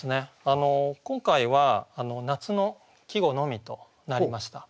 今回は夏の季語のみとなりました。